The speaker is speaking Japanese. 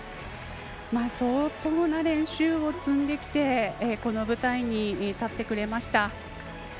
相当な練習を積んできてこの舞台に立ってくれました。